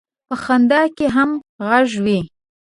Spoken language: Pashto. په خندا کې هم غږ وي.